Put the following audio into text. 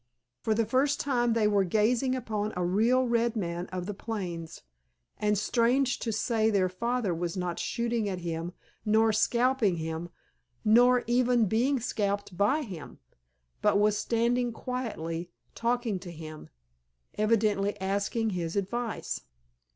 For the first time they were gazing upon a real Red Man of the Plains, and strange to say their father was not shooting at him nor scalping him, nor even being scalped by him, but was standing quietly talking to him, evidently asking his advice.